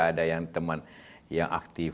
ada yang teman yang aktif